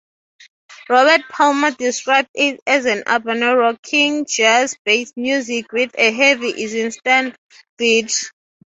Robert Palmer described it as "urbane, rocking, jazz-based music with a heavy, insistent beat".